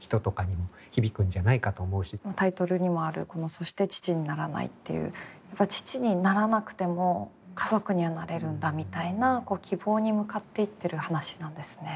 タイトルにもあるこの「そして父にならない」っていう父にならなくても家族にはなれるんだみたいな希望に向かっていってる話なんですね。